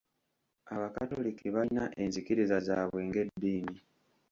Abakatoliki balina enzikiriza zaabwe ng'eddiini.